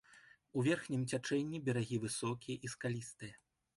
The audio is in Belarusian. У верхнім цячэнні берагі высокія і скалістыя.